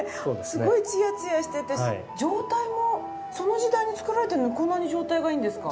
すごいツヤツヤしてて状態もその時代に作られてるのにこんなに状態がいいんですか？